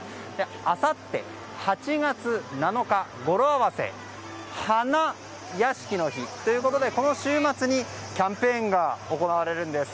あさって８月７日、語呂合わせ花やしきの日ということでこの週末にキャンペーンが行われるんです。